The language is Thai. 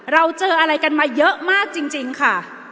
เราเจออะไรกันมาเยอะมากจริงค่ะ